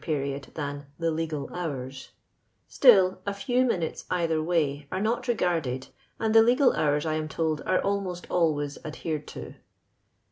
451 period thftn the legal hours ;'* sdll a few mi nnten either way arc not regarded, and the legal hourtf , I am told, are almost always adhered to.